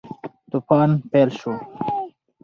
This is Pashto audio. توپان پیل شو.